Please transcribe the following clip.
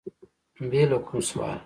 بې له کوم سواله